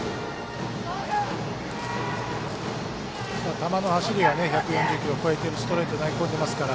球の走りは１４０キロ超えてストレート投げ込んでいますから。